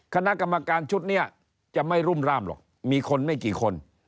คณะกรรมการชุดนี้จะไม่รุ่มร่ามหรอกมีคนไม่กี่คน